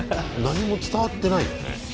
何も伝わってないよね。